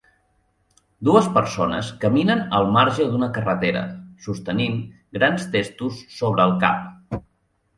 Dues persones caminen al marge d'una carretera, sostenint grans testos sobre el cap.